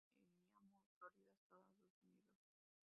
Tiene su sede en Miami, Florida, Estados Unidos.